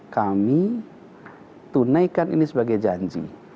kami tunaikan ini sebagai janji